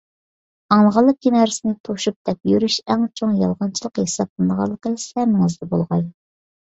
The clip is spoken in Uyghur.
ئاڭلىغانلىكى نەرسىنى توشۇپ دەپ يۈرۈش ئەڭ چوڭ يالغانچىلىق ھېسابلىنىدىغانلىقى سەمىڭىزدە بولغاي!